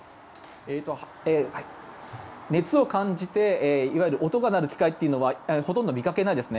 熱を感じていわゆる音が鳴る機械というのはほとんど見かけないですね。